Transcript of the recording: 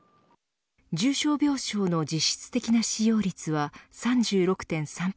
重症病床の実質的な使用率は３６．３％。